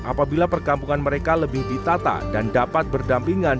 apabila perkampungan mereka lebih ditata dan dapat berdampingan